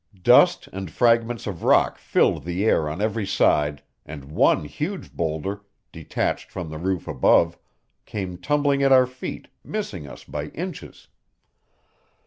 Dust and fragments of rock filled the air on every side, and one huge boulder, detached from the roof above, came tumbling at our feet, missing us by inches.